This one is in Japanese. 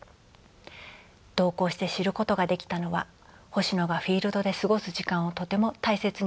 同行して知ることができたのは星野がフィールドで過ごす時間をとても大切にしていたこと。